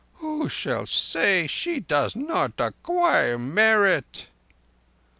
Who shall say she does not acquire merit?"